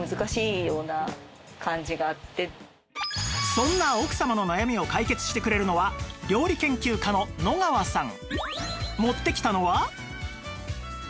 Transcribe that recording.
そんな奥様の悩みを解決してくれるのは料理研究家の野川さん